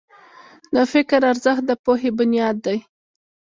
د فکر ارزښت د پوهې بنیاد دی.